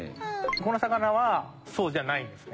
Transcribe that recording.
この魚はそうじゃないんですね。